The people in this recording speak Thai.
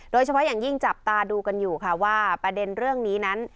โดยเฉพาะอย่างยิ่งจับตาดูกันอยู่ค่ะว่าประเด็นเรื่องนี้นั้น